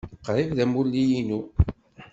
Qrib d amulli-inu.